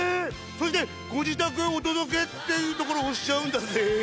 そしてご自宅へお届けっていうところ押しちゃうんだぜ。